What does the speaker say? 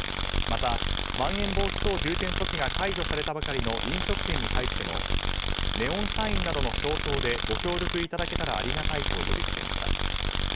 また、まん延防止等重点措置が解除されたばかりの飲食店に対してもネオンサインなどの消灯でご協力いただけたらありがたいと呼びかけました。